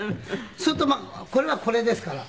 するとこれはこれですから。